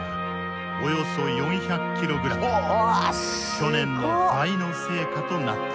去年の倍の成果となった。